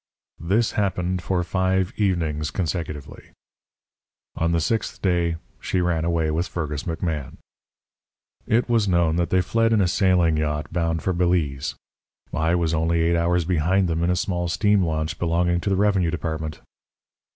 "This happened for five evenings consecutively. "On the sixth day she ran away with Fergus McMahan. "It was known that they fled in a sailing yacht bound for Belize. I was only eight hours behind them in a small steam launch belonging to the Revenue Department.